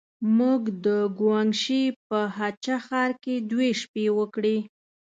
موږ د ګوانګ شي په هه چه ښار کې دوې شپې وکړې.